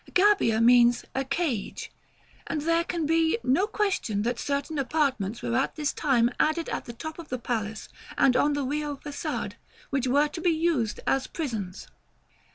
" Gabbia means a "cage;" and there can be no question that certain apartments were at this time added at the top of the palace and on the Rio Façade, which were to be used as prisons.